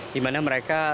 dimana mereka membuatnya